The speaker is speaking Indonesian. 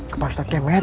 kepala ustadz kemet